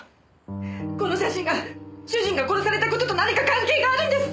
この写真が主人が殺された事と何か関係があるんですか！？